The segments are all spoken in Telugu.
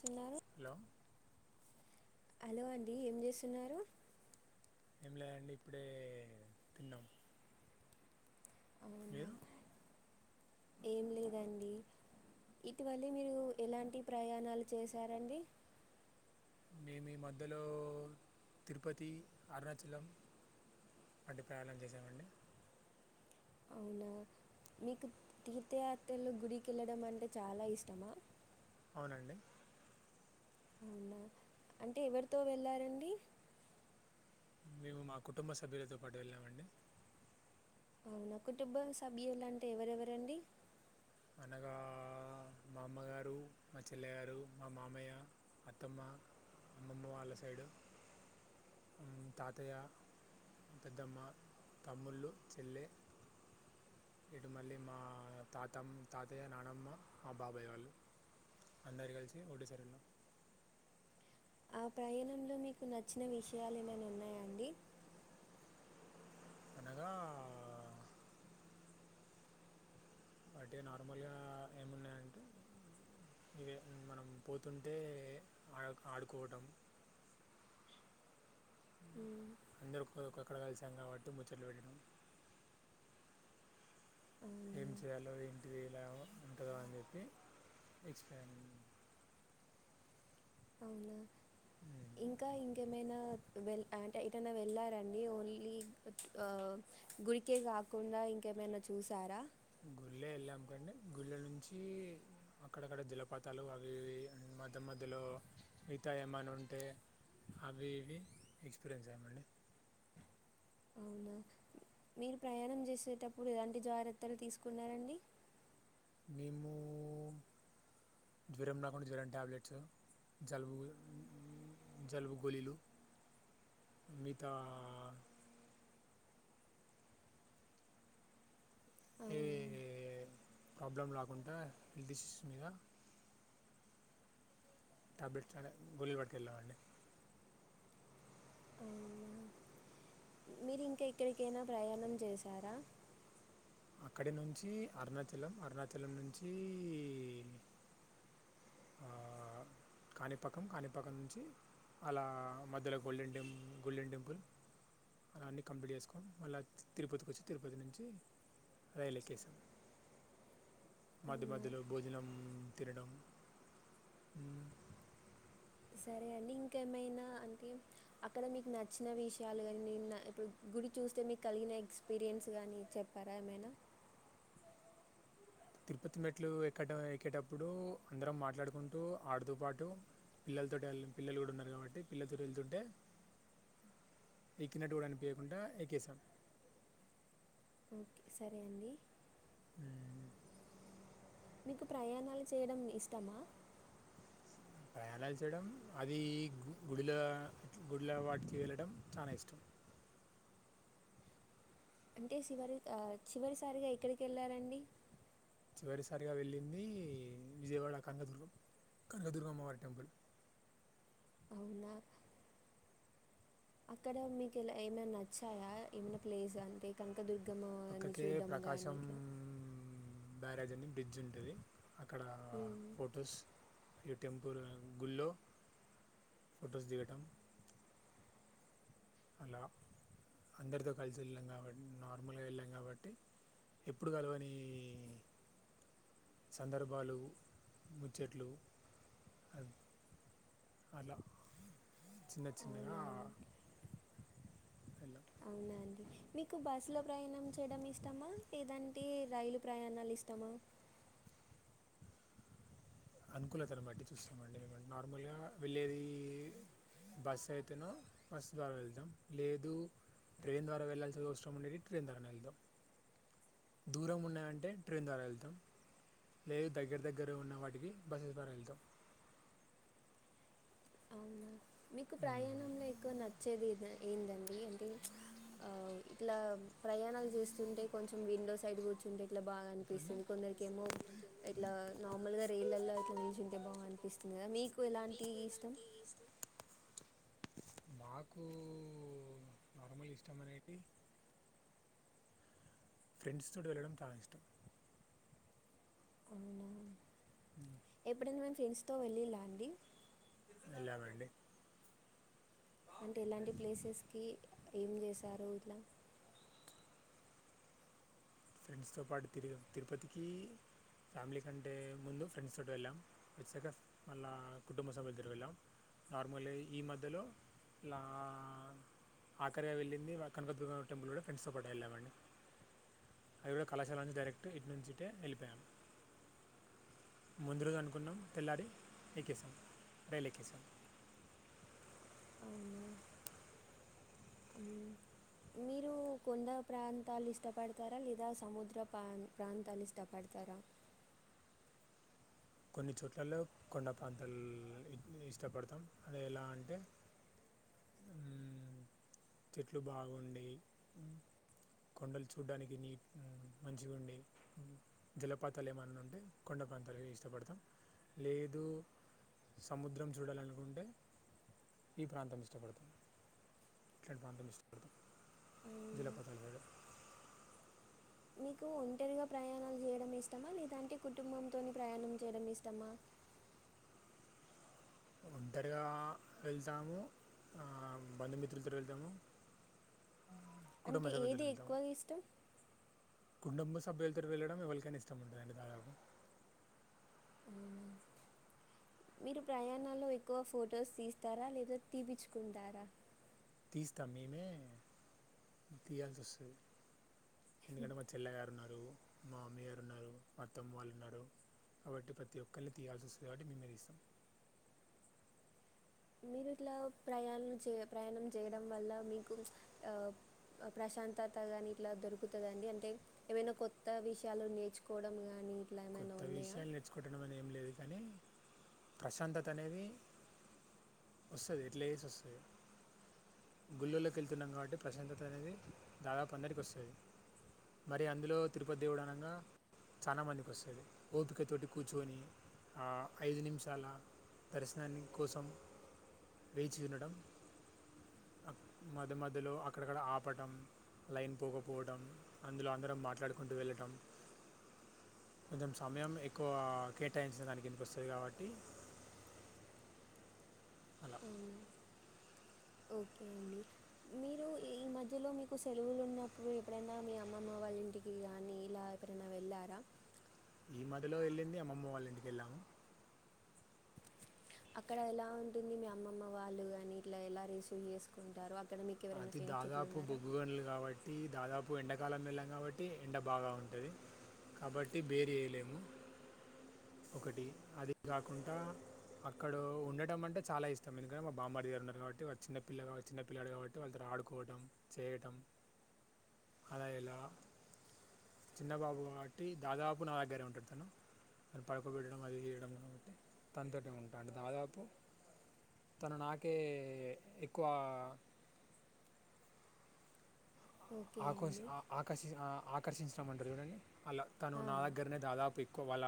చిన్నారు హలో హలో అండి ఏం చేస్తున్నారు ఏం లేదండి ఇప్పుడే తిన్నము అవునా మీరు ఏం లేదండి ఇటీవలే మీరు ఎలాంటి ప్రయాణాల్ చేశారండి మేమీ ఈ మధ్యలో తిరుపతి అర్ ణాచలం వటి కాలం జేసామండి ఔనా మీకు తీద్దయాత్రలు గుడికెళ్లడం అంటే చాలా ఇష్టమా ఔనండి ఔనా అంటే ఎవర్ తో వెళ్ళారండి మేము మా కుటుంబ సభ్యులతో పాటు వెళ్ళామండి ఔనా కుటుబ సభ్యులంటే ఎవరెవరండి అనగా ఆ మా అమ్మగారు మా చెల్లె గారు మా మామయ్య అత్తమ్మ మ్మమ్మ వాళ్ళ సైడు తాతయ్య పెద్దమ్మ తమ్ముళ్ళు చెల్లె ఇటు మళ్ళీ మా తాతమ్ తాతయ్య నానమ్మ మా బాబాయ్ వాళ్ళు అందర్ కలిశి ఒకటేసారి ఎల్ నమ్ ఆ ప్రయ్ ణంలో మీక్ నచ్చిన విష్ యాలు ఏమన్న ఉన్నాయాండి అనగా అటే నార్ మాల్ గా ఏమున్నాయంటే ఇవి మనం పోతుంటే ఆడ్ ఆడుకోటం ఉమ్, అందరు ఒక్కక్కడ కలిసామ్ గాబట్టి ముచ్చట్లు బెట్టినం ఏం అవునా చేయాలో ఎంటిది ఇలా ఉంటద అన్ జేప్పి ఎక్స్ ప్లైన్ ఔనా ఇంకా ఇంకేమైనా వెల్ యంటే ఎట్టనా వెళ్ళారండి ఓన్లీ ఆ గుడికే గాకుండా ఇంకేమైనా చూసారా గుళ్ళె ఏళ్ళామ్ కండే గుళ్ళె నుంచి అక్కడక్కడ జలపాతాలు అవి ఇ మధ్య మధ్యలో మిగ్ తా ఏమన్ నుంటే అవి ఇవి ఎక్స్ పిరన్స్ ఐమండి [inaudible] ఔనా మీరు ప్రయాణం జేసేటప్పుడు ఎలాంటి జారత్తలు తీసుకున్నారండి మేము జరం రాకుండా జరం టాబ్లెట్స్ జలుబు జల్బు గోలీలు మితా ఏ అవునా ఏ ఏ ప్రాబ్లం రాకుండా హెల్త్ ఇష్యూ మీద టాబ్లెట్స్ తేలే గోలీలూ వట్ కెళ్ళావండి ఔనా మీరింక్ ఎక్కడ్ కైనా ప్రయాణం చేశారా అక్కడి నుంచి అర్ ణాచలం అర్ ణాచలం నుంచి ఈ ఈ కాణిపాకం కాణిపాకం నుంచి అలా మధ్యలో గోల్డెన్ టెంప్ గోల్డెన్ టెంపుల్ అలా అన్నీ కంప్లీట్ జేసుకోనీ మళ్ళ తిరుపత్ కోచ్చి తిరుపతి నుంచి రైలెక్కేశి మధ్య అవునా మధ్యలో భోజనం తినడం సరే అండి ఇంకేమైనా అంటే అక్కడ మీక్ నచ్న విషాలు గాని నేన్ నా ఇప్పుడు గుడి చూస్తే మీక్ కల్ గిన ఎక్స్ పిరియన్స్ గానీ చెప్పరా ఏమైనా తిరుపతి మెట్లు ఎక్కడం ఎక్కేటప్పుడు అందరం మాట్లాడుకుంటూ ఆడుతు పాడుతు పిల్లలతో వెళ్ళ పిల్లలు కూడా ఉన్నారు కాబట్టి పిల్లతో వెళ్తుంటే ఎక్కినట్టు కూడా అనిపయకుండా ఎక్కేశాం ఓకే సరే అండి మ్మ్. మీకు ప్రయాణాలు చేయడం ఇష్టమా అలా చేయడం అది గుడిల గుడిల వాటికి వెళ్ళడం చాలా ఇష్టం అంటే చివరి చివరిసారిగా ఎక్కడికి వెళ్ళారండి చివరిసారిగా వెళ్ళింది విజయవాడ కనకదుర్గం కనకదుర్గమ్మవారి టెంపుల్ అవునా అక్కడ మీకులా ఏమైనా నచ్చాయా ఏమైనా ప్లేస్ అంటే కాను పక్కకే ప్రకాశం బ్యారేజ్ అని బ్రిడ్జ్ ఉంటుది అక్కడ మ్మ్. ఫొటోస్ ఈ టెంపుల్ గుల్లో ఫొటోస్ దిగటం అలా అందరితో కలిసి వెళ్ళాం కాబట్టి నార్మల్గా వెళ్ళాం కాబట్టి ఎప్పుడు కలవని సందర్భాలు ముచ్చట్లు అ అలా చిన్న చిన్నగా అవునా అండి ఎలామ్ అవునాండి మీకు బస్సులో ప్రయాణం చేయడం ఇష్టమా లేదంటే రైలు ప్రయాణాలు ఇష్టమా అనుకూలతను బట్టి చూస్తామండి మేం నార్మల్గా వెళ్ళేది బస్ అయితేనో బస్ ద్వారా వెళ్దాం లేదు ట్రైన్ ద్వారా వెళ్లాల్సిన అవసరం ఉండేది ట్రైన్ ద్వారా వెళ్దాం దూరం ఉన్నాయంటే ట్రైన్ ద్వారా వెళ్తాం లేదు దగ్గర దగ్గర ఉన్న వాటికి బస్సేస్ ద్వారా వెళ్తాం అవునా? మీకు ప్రయాణంలో ఎక్కువ న వచ్చేది ఏందండి అంటే ఆ ఇట్లా ప్రయాణాలు చేస్తుంటే కొంచెం విండో సైడ్ కూర్చుంటే ఇట్లా బాగా అనిపిస్తుంది కొందరిక ఏమో ఇట్లా నార్మల్ గా రైలలో ఇట్లా నిచుంటే బాగా అనిపిస్తుంది మీకు ఎలాంటి ఇష్టం మాకు నార్మల్ ఇష్టం అనేదీ ఫ్రెండ్స్ తోటి వెళ్ళడం చాలా ఇష్టం అవునా? ఎప్పుడైనా మేము ఫ్రెండ్స్ తో వెళ్ళిలా అండి ఎళ్లమండి అంటే ఎలాంటి ప్లేసెస్కి ఏం చేశారు ఇట్లా ఫ్రెండ్స్ తో పాటు తిరు తిరుపతికి ఫ్యామిలీ కంటే ముందు ఫ్రెండ్స్ తోటి వెళ్ళాం వచ్చాక మళ్ళా కుటుంబ సభ్యులతో వెళ్ళాం నార్మల్ ఈ మధ్యలో ఇలా ఆఖరిగా వెళ్ళింది కనక దుర్గ టెంపుల్ కూడా ఫ్రెండ్స్తో పాటు వెళ్ళామండి అవి కూడా కళాశాలని డైరెక్ట్ ఇటు నుంచిట్టే వెళ్ళిపోయాము ముందు రోజు అనుకున్నాం తెల్లారి ఎక్కేసాం రైలు ఎక్కేసాం ఉ మీరు కొండ ప్రాంతాలు ఇష్టపడతారా లేదా సముద్ర ప్ర ప్రాంతాలు ఇష్టపడతారా తర కొన్ని చోట్లల్లో కొండపాంతలు ఇష్టపడతాం అది ఎలా అంటే మ్మ్, వో చెట్లు బాగుండి కొండలు చూడ్డానికి నీ మంచిగా ఉండి జలపాతాలు ఏమన్నా ఉంటే కొండ పంతాలు ఇష్టపడతాం లేదు సముద్రం చూడాలనుకుంటే ఈ ప్రాంతం ఇష్టపడుతుంది ఇట్లాంటి ప్రాంతం అవునా? [unintelligible] మీకు ఒంటరిగా ప్రయాణాలు చేయడం ఇష్టమా లేదంటే కుటుంబంతోని ప్రయాణం చేయడం ఇష్టమా ఆ ఒంటరిగా వెళ్తాము బంధుమిత్రులతో వెళ్తాము ఆ కుటుంబ అంటే సభ్యులతో ఏది వెళ్తాము ఎక్కువగా ఇష్టం కుటుంబ సభ్యులతో వెళ్ళడం ఎవరికైనా ఇష్టం ఉంటుారండి దాదాపు అవును మీరు ప్రయాణాల్లో ఎక్కువ ఫొటోస్ తీస్తారా లేదా తీపచ్చుకుంటారా తీస్తావేమే తీయాల్సి వస్తది ఎందుకంటే మా చెల్లగారు ఉన్నారు మా అమ్మీ గారు ఉన్నారు మా అత్తమ్మ వాళ్ళు ఉన్నారు కాబట్టి ప్రతి ఒక్కరిని తీయాల్సి వస్తుంది కాబట్టి మేమే తీస్తాం ఆ మీరు ఇట్లా ప్రయాణాలు చే ప్రయాణం చేయడం వల్ల మీకు ప్రశాంతత గాని ఇట్లా దొరుకుతుందిండి అంటే ఏమైనా కొత్త విషయాలు నేర్చుకోవడం గాని కొత్త విషయాలు నేర్చుకోంటడం అని ఏం లేదు కానీ ప్రశాంతత అనేది వస్తుది ఎట్లా చేసి వస్తుంది గుళ్ళల్లోకి వెళ్తున్నాం కాబట్టి ప్రశాంతత అనేది దాదాపు అందరికి వస్తుంది మరి అందులో తిరుపతి దేవుడు అనగా చాలా మందికి వస్తుంది సరే ఓపికతోటి కూర్చుొని ఐదు నిమిషాల దర్శనాన్ని కోసం వేచి వినడం మధ్య మధ్యలో అక్కడక్కడ ఆపడం లైన్ పోకపోవటడం అందులో అందరం మాట్లాడుకుంటూ వెళ్ళటం ఆ కొంచెం సమయం ఎక్కువ కేటాయించిన దానికి కిందికి వస్తది కాబట్టి అలా అవునా ఓకే అండి మీరు ఈ మధ్యలో మీకు సెలవులు ఉన్నప్పుడు ఎప్పుడైనా మీ అమ్మమ్మ వాళ్ళ [unintelligible] ఎప్పుడేనా వెళ్లారా ఈ మధ్యలో వెళ్ళింది అమ్మమ్మ వాళ్ళ ఇంటికి వెళ్ళాము అక్కడ ఎలా ఉంటుంది మీ అమ్మమ్మ వాళ్ళుగాని ఇట్లా ఎలా రిసీవ్ చేసుకుంటారు అక్కడ మీకెవరైనా అది ఫ్రెండ్స్ దాదాపు ఇట్లున్నారా? బొగ్గుగనులు కాబట్టి దాదాపు ఎండకాలం వెళ్ళాం కాబట్టి ఎండ బాగా ఉంటుంది కాబట్టి బేర వేయలేము ఒకటి అది కాకుండా అక్కడ ఉండటం అంటే చాలా ఇష్టం ఎందుకంట మా బామ్మడిగారు ఉన్నారు కాబట్టి వా చిన్న పల్ల కా చిన్నపిల్లాడు కాబట్టి చ వాళ్ళత ఆడుకోవటం చేయటం అలా ఇలా చిన్నబాబు కాటి దాదాపు నా దగ్గరే ఉంటాడు తను కా పడుకోబెట్టడం అది చేయడం కాబట్టి తనతో ఉంటాంట దాదాపు తను నాకే ఎక్కువ ఓకే ఆర్ష అండి. ఆకర్షి ఆకర్షించమంటారు చూడండి అలా తను ఆ! నా దగ్గరనే దాదాపుక్ ఎక్కు వాళ్ళ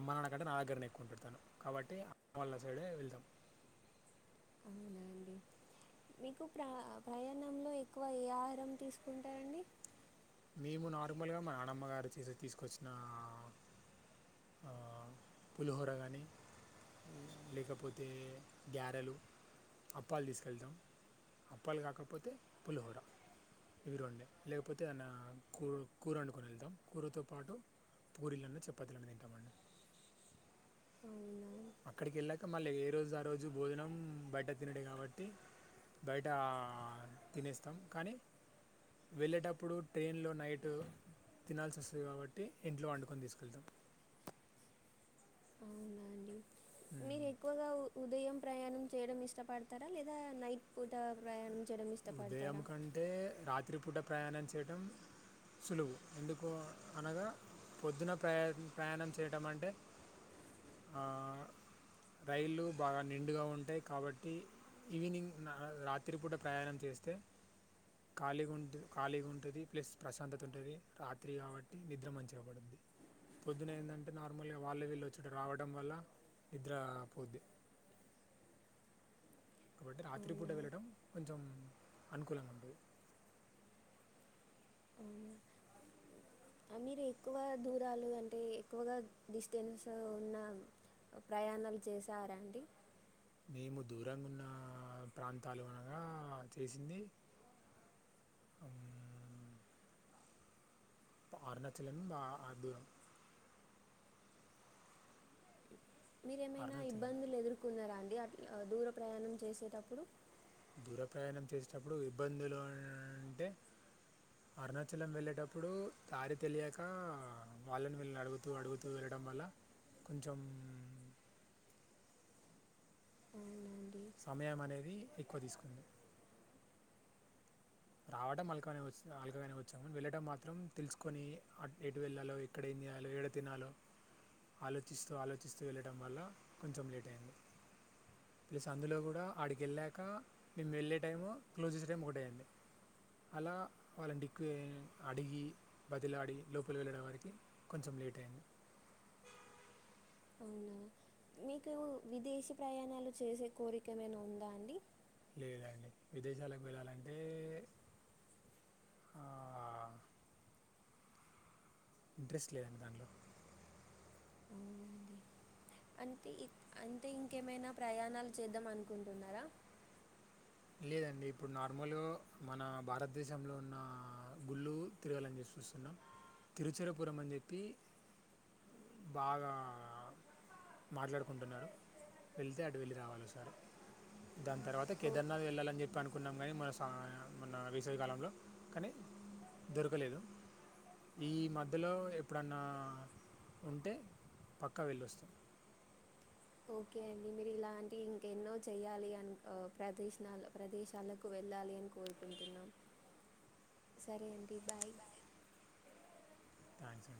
అమ్మ నాన్నకంటే నా దగ్గరనే ఎక్కువ ఉంటాడు కాబట్టి అమ్ వాళ్ళ సైడే వెళ్తాం [inaudible] అవునాండి మీకు ప్ర ప్రయాణంలో ఎక్కువ ఏ ఆహారం తీసుకుంటారండి మేము నార్మల్గా మా నాన్నమ్మగారు తీ తీసుకొచ్చిన పులిహోర గానీ లేకపోతే గ్యారెలు అప్పాలు తీసుకెళ్తాం అప్పాలు కాకపోతే పులిహోర ఇవి రెండే లేకపోతే ఆన కూ కూర వండుకుని వెళ్తాం కూరతో పాటు పూరీలన్న చపాతీలన్న తింటాం అవునా అక్కడికి వెళ్ళాక మళ్ళీ ఏ రోజు ఆ రోజు భోజనం బయట తినడే కాబట్టి బయట తినేస్తాం కానీ వెళ్ళేటప్పుడు ట్రైన్లో నైట్ తినాల్సి వస్తుంది కాబట్టి ఇంట్లో వండుకొని తీసుకెళ్తాం అవునాండి మీరు ఎక్కువగా ఉదయం ప్రయాణం చేయడం ఇష్టపడతారా లేదా నైట్ పూట ప్రయాణం చేయడం ఉదయం ఇష్టపడతారా? కంటే రాత్రిపూట ప్రయాణం చేయటం సులువు ఎందుకు అనగా పొద్దున ప్రయా ప్రయాణం చేయడం అంటే ఆ రైళ్లు బాగా నిండుగా ఉంటాయి కాబట్టి ఈవినింగ్ రాత్రిపూట ప్రయాణం చేస్తే ఖాళీ ఖాళీగా ఉంటుంది ప్లస్ ప్రశాంతత ఉంటుంది రాత్రి కాబట్టి నిద్ర మంచిగా పడతది పొద్దున ఏంటంటే నార్మల్గా వాళ్ళ వీళ్ళు వచ్చా రావడం వల్ల నిద్రపోద్ది [inaudible] కాబట్టి రాత్రిపూట అవునా? వెళ్ళడం కొంచెం అనుకూలంగా ఉండది అవునూ మీరు ఎక్కువ దూరాలు అంటే ఎక్కువగా డిస్టెన్స్ ఉన్న ప్రయాణాలు చేసారండి మేము దూరంగా ఉన్న ప్రాంతాలు అనగా చేసింది [inaudible] అరుణాచలం బ ఆ దూరం మీరేమైనా అరుణాచలం ఇబ్బందులు ఎదుర్కొన్నారా అండి అట్లా దూర ప్రయాణం చేసేటప్పుడు దూర ప్రయాణం చేసేటప్పుడు ఇబ్బందులు అంటే అరుణాచలం వెళ్ళేటప్పుడు దారి తెలియక వాళ్ళని విళ్ళని అడుగుతూ అడుగుతూ వెళ్ళ వెళ్లడం వల్ల కొంచెం అవునా అండి సమయం అనేది ఎక్కువ తీసుకుంది రావడం అల్లగానే వ అలకగానే వచ్చానీ వెళ్ళడం మాత్రం తెలుసుకొని ఎటు వెళ్ళాలో ఎక్కడ ఏళ ఏడ తిన్నాలో ఆలోచిస్తూ ఆలోచిస్తూ వెళ్ళడం వల్ల కొంచెం లేట్ అయింది ప్లస్ అందులో కూడా ఆడికి వెళ్ళాక మేము వెళ్ళే టైము క్లోజెస్ట్ టైం ఒకటేయంండి [inaudible] అలా వాళ్ళని డిక్కు అడిగి బదిలాడి లోపలి వెళ్ళడం వారికి కొంచెం లేట్ అయింది [inaudible] అవునా మీకు విదేశీ ప్రయాణాలు చేసే కోరిక ఏమైనా ఉందా అండి లేదండి విదేశాలకు వెళ్ళాలంటే ఆ, [inaudible] ఇంట్రెస్ట్ లేదండి దాంట్లో అవునా అండి అంటే అంటే ఇంకేమైనా ప్రయాణాలు చేద్దాం అనుకుంటున్నారా లేదండి ఇప్పుడు నార్మల్గా మన భారతదేశంలో ఉన్న గుళ్ళు తిరగాలని చుస్ చూస్తున్నాం తిరుచిరపురం అని చెప్పి బాగా మాట్లాడుకుంటున్నారు వెళ్తే అటు వెళ్ళి రావాలి ఒకసారి దాన్ తర్వాత ఓ కెద్ ధర్నాది వెళ్ళాలని చెప్పి అనుకున్నాం కానీ మన సా మన వేసవి కాలంలో కానీ దొరకలేదు ఈ మధ్యలో ఎప్పుడన్నా ఉంటే పక్కా వెళ్ళోస్తాం ఓకే అండి మీరు ఇలాంటి ఇంక ఎన్నో చెయ్యాలి అని ప్రదేశ ప్రదేశాలకు వెళ్ళ వెళ్ళాలి అని కోరుకుంటున్నా సరే అండి బాయ్ దాంచి